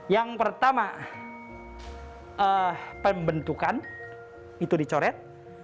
yang pertama pembentukan itu dicoret